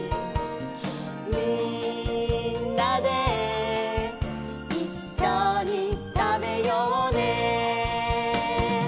「みんなでいっしょにたべようね」